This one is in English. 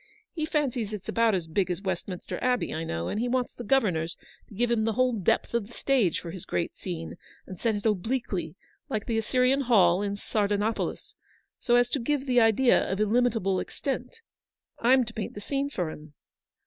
He fancies it's about as big as West minster Abbey, I know, and he wants the governors to give him the whole depth of the stage for his great scene, and set it obliquely, like the Assyrian hall in ' Sardanapalus/ so as to give the idea of illimitable extent. I'm to paint the scene for him.